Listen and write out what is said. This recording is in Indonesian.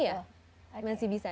iya masih bisa